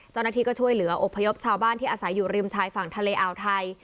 เจ้าหน้าที่ก็ช่วยเหลืออบพยพชาวบ้านที่อาศัยอยู่ริมชายฝั่งทะเลอ่าวไทย